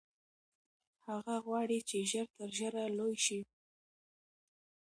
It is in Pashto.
هغه غواړي چې ژر تر ژره لوی شي.